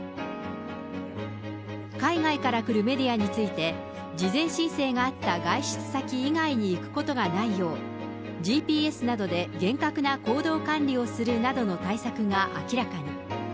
海外から来るメディアについて、事前申請があった外出先以外に行くことがないよう、ＧＰＳなどで厳格な行動管理をするなどの対策が明らかに。